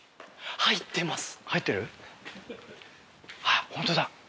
あっホントだ！